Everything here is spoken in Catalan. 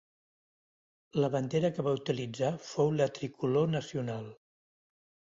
La bandera que va utilitzar fou la tricolor nacional.